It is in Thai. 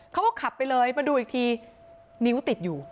เขาก็ขับไปเลยมาดูอีกทีนิ้วติดอยู่